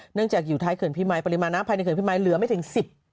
จากอยู่ท้ายเขื่อนพิมายปริมาณน้ำภายในเขื่อนพี่มายเหลือไม่ถึง๑๐